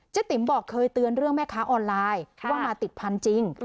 ติ๋มบอกเคยเตือนเรื่องแม่ค้าออนไลน์ว่ามาติดพันธุ์จริง